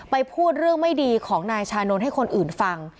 พูดเรื่องไม่ดีของนายชานนท์ให้คนอื่นฟัง